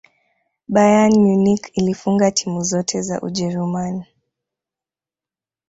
bayern munich ilifunga timu zote za ujeruman